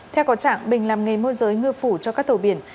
theo có trạng bình làm nghề môi giới ngư phủ cho các tàu biển